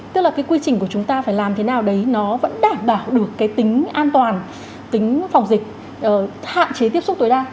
tức là cái quy trình của chúng ta phải làm thế nào đấy nó vẫn đảm bảo được cái tính an toàn tính phòng dịch hạn chế tiếp xúc tối đa